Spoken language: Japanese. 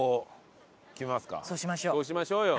そうしましょうよ。